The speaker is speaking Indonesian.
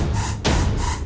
lo yang menjaga si al